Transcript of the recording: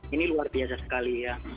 ini luar biasa sekali ya